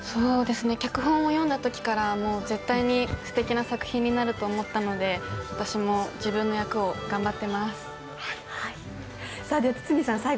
脚本を読んだときから、絶対にすてきな作品になると思ったので私も自分の役を頑張ってます。